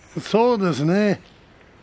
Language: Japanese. そうですね。